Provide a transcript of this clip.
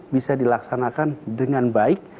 bisa dilaksanakan dengan baik